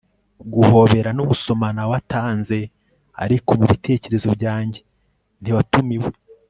guhobera no gusomana watanze, ariko mubitekerezo byanjye ntiwatumiwe